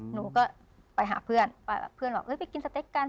หนูก็ไปหาเพื่อนพี่กินสเต๊กกัน